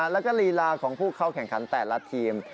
แล้วก็ลีลาของผู้เข้าแข่งขันแต่ละทีม